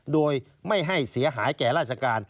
โดยไม่ให้เสียหายแก่ราชการ